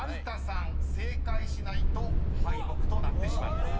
正解しないと敗北となってしまいます］